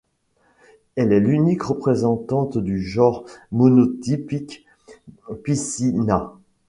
Elle est l'unique représentante du genre monotypique Pycina.